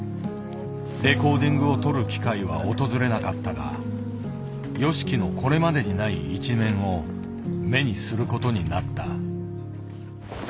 レコーディングを撮る機会は訪れなかったがＹＯＳＨＩＫＩのこれまでにない一面を目にすることになった。